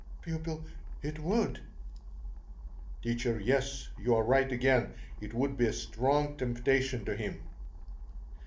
P. It would. T. Yes, you are right again. It would be a strong temptation to him.